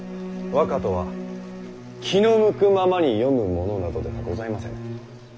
和歌とは気の向くままに詠むものなどではございませぬ。